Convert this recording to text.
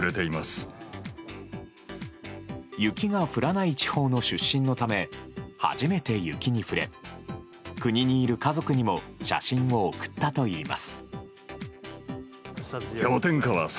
雪が降らない地方の出身のため初めて雪に触れ国にいる家族にも写真を送ったといいます。